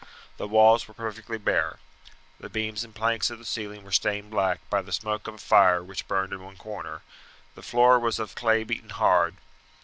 The walls were perfectly bare. The beams and planks of the ceiling were stained black by the smoke of a fire which burned in one corner; the floor was of clay beaten hard.